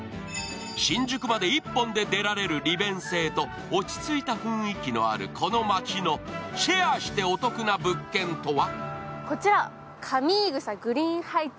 新宿まで１本で出られる利便性と落ち着いた雰囲気のあるこの街のシェアしてお得な物件とは？